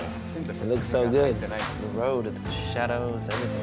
pemimpin dan pengetahuan tichney dan vastella berjalan dengan sangat jauh